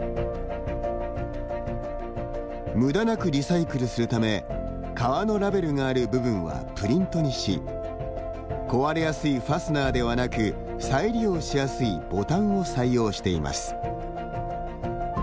無駄なくリサイクルするため皮のラベルがある部分はプリントにし壊れやすいファスナーではなく再利用しやすいボタンを採用しています。